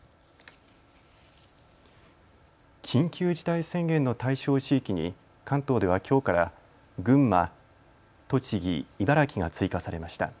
緊急事態宣言の対象地域に関東ではきょうから群馬、栃木、茨城が追加されました。